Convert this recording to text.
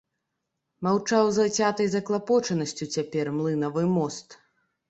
Маўчаў зацятай заклапочанасцю цяпер млынавы мост.